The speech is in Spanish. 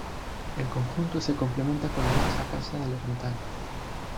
El conjunto se complementa con la anexa casa del ermitaño.